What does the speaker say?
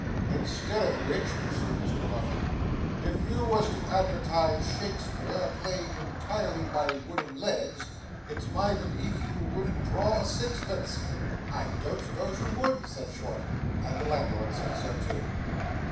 'Instead of which,' pursued Mr Vuffin, 'if you was to advertise Shakspeare played entirely by wooden legs, it's my belief you wouldn't draw a sixpence.' 'I don't suppose you would,' said Short. And the landlord said so too.